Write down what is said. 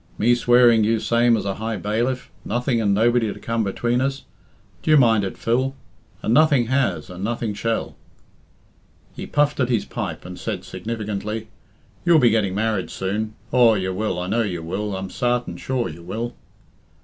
Me swearing you same as a high bailiff nothing and nobody to come between us d'ye mind it, Phil? And nothing has, and nothing shall." He puffed at his pipe, and said significantly, "You'll be getting married soon. Aw, you will, I know you will, I'm sarten sure you will."